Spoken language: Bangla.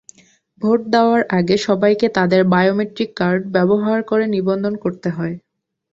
ভোট দেওয়ার আগে সবাইকে তাঁদের বায়োমেট্রিক কার্ড ব্যবহার করে নিবন্ধন করতে হয়।